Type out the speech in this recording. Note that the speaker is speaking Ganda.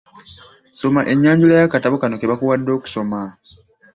Soma ennyanjula y'akatabo konna ke bakuwadde okusoma.